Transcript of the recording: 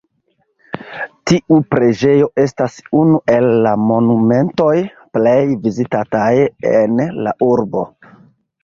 Tiu preĝejo estas unu el la monumentoj plej vizitataj en la urbo.